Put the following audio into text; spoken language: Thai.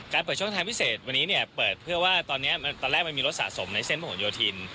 เปิดช่องทางพิเศษวันนี้เนี่ยเปิดเพื่อว่าตอนนี้ตอนแรกมันมีรถสะสมในเส้นประหลโยธิน